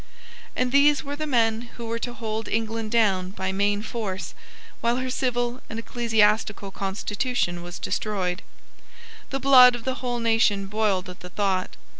And these were the men who were to hold England down by main force while her civil and ecclesiastical constitution was destroyed. The blood of the whole nation boiled at the thought.